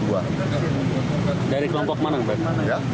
dari kelompok mana pak